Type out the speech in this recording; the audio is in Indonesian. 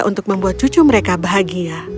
untuk membuat cucu mereka bahagia